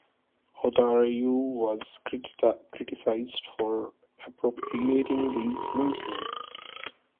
Ota Ryu was criticized for appropriating these movements.